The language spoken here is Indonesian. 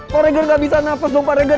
pak regar gak bisa nafas dong pak regar